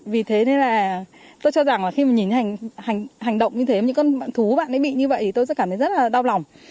vì thế nên là tôi cho rằng khi nhìn hành động như thế những con thú bạn ấy bị như vậy tôi sẽ cảm thấy rất là đau lòng